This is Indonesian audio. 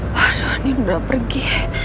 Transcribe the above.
waduh nino udah pergi